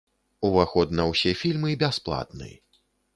Уваход на ўсе фільмы бясплатны.